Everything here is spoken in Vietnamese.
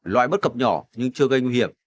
loại bất cập nhỏ nhưng chưa gây nguy hiểm